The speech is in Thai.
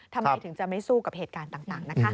ทำไมถึงจะไม่สู้กับเหตุการณ์ต่างนะคะ